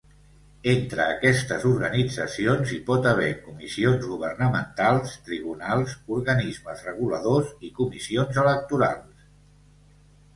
Entre aquestes organitzacions hi pot haver comissions governamentals, tribunals, organismes reguladors i comissions electorals.